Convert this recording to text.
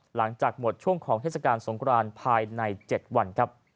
หลังจากหมดช่วงของเทศกาลสงครานภายใน๗วันครับ